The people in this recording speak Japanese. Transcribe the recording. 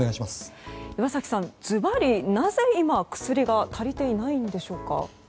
岩崎さん、ずばりなぜ今薬が足りていないんでしょうか。